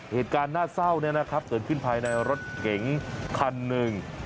เหตุการณ์น่าเศร้าเกิดขึ้นภายในรถเก๋งคันหนึ่ง